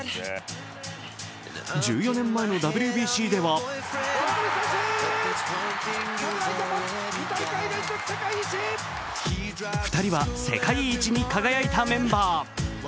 １４年前のＷＢＣでは２人は世界一に輝いたメンバー。